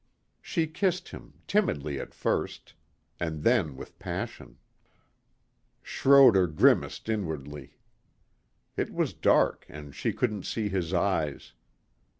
She kissed him, timidly at first. And then with passion. Schroder grimaced inwardly. It was dark and she couldn't see his eyes.